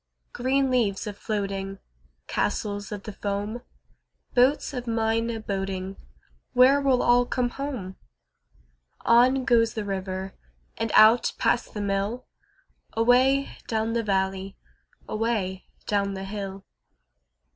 Green leaves a floating, Castles of the foam, Boats of mine a boating— Where will all come home? On goes the river And out past the mill, Away down the valley, Away down the hill.